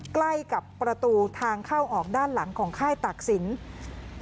ใกล้กับประตูทางเข้าออกด้านหลังของค่ายตากศิลป์